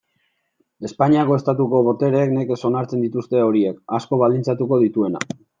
Espainiako Estatuko botereek nekez onartzen dituzten horiek, asko baldintzatuko dituena.